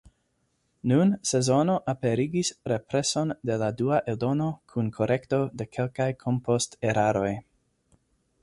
Nun Sezonoj aperigis represon de la dua eldono kun korekto de kelkaj komposteraroj.